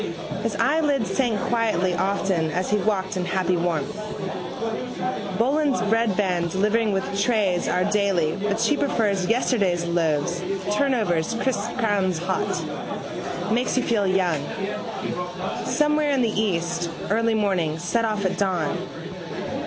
His eyelids sank quietly often as he walked in happy warmth. Boland's breadvan delivering with trays our daily but she prefers yesterday's loaves turnovers crisp crowns hot. Makes you feel young. Somewhere in the east: early morning: set off at dawn.